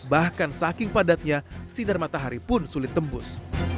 bahkan saking padatnya sinar matahari pun sulit tembus